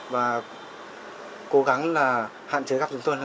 và cố gắng là hạn chế gặp chúng tôi